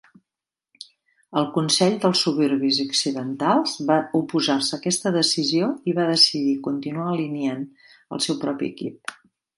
El consell dels Suburbis Occidentals va oposar-se a aquesta decisió i va decidir continuar alineant el seu propi equip.